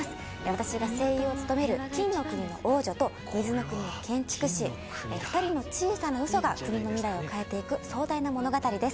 私が声優を務める金の国の王女と水の国の建築士２人の小さなウソが国の未来を変えていく壮大な物語です。